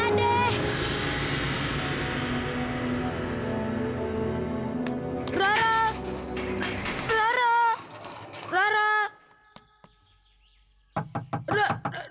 tadi aku sudah bikin rumah kamu berantakan